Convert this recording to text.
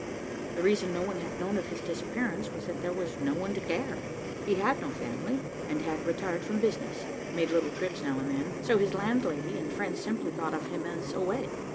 The reason no one had known of his disappearance was that there was no one to care. He had no family and had retired from business, made little trips now and then, so his landlady and friends simply thought of him as away.